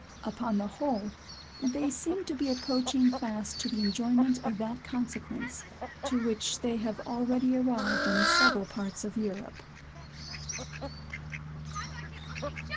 Upon the whole, they seem to be approaching fast to the enjoyment of that consequence, to which they have already arrived in several parts of Europe.